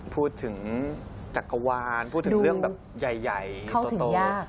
พูดถึงจักรวาลพูดถึงเรื่องแบบใหญ่โต